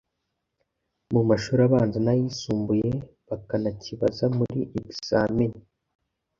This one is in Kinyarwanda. mumashuri abanza n'ayisumbuye bakanakibaza muri examen.